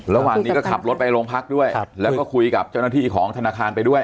ระหว่างนี้ก็ขับรถไปโรงพักด้วยแล้วก็คุยกับเจ้าหน้าที่ของธนาคารไปด้วย